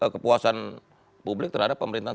kepuasan publik terhadap pemerintahan